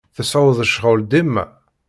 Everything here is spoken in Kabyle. Tseɛɛuḍ ccɣel dima?